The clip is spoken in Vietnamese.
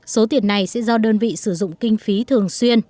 số tiền này sẽ do đơn vị sử dụng kinh phiên